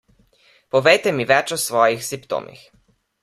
Povejte mi več o svojih simptomih.